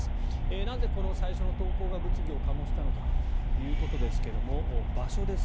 なぜこの最初の投稿が物議を醸したのかということですが場所です。